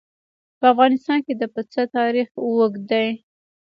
په افغانستان کې د پسه تاریخ اوږد دی.